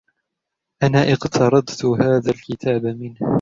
أنا إقترضت هذا الكتاب منه.